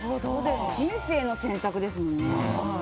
人生の選択ですもんね。